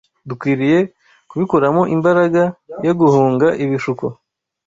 Dukwiriye kubikuramo imbaraga yo guhunga ibishuko